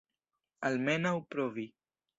Almenaŭ provi.